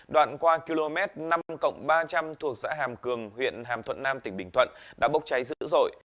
đoạn qua km năm ba trăm linh thuộc xã hàm cường huyện hàm thuận nam tỉnh bình thuận đã bốc cháy dữ dội